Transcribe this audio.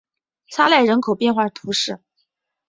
沙奈人口变化图示